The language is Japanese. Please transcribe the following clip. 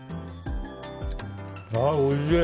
ああ、おいしい。